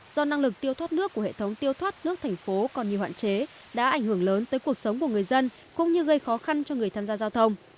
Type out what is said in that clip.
do năng lực tiêu thoát nước của hệ thống tiêu thoát nước thành phố còn nhiều hoạn chế đã ảnh hưởng lớn tới cuộc sống của người dân cũng như gây khó khăn cho người tham gia giao thông